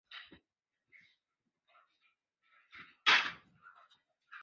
元朝至元十四年升池州为池州路。